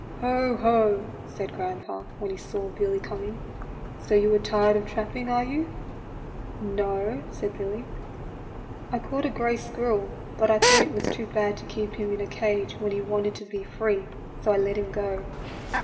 " Ho, ho," said grandpa, when he saw Billy coming ;" so you are tired of trapping, are you?" BILLY WILSON'S BOX TRAP. 79 "No," said Billy ;" I caught a gray squirrel, but I thought it was too bad to keep him in a cage when he wanted to be free, so I let him go."